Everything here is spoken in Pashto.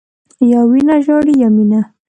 یا وینه ژاړي، یا مینه.